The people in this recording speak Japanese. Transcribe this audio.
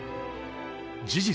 事実